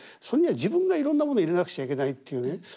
それには自分がいろんなもの入れなくちゃいけないっていうね